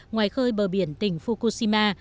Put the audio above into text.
ngoài khơi bờ biển tỉnh fukushima